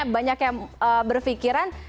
banyak yang berpikiran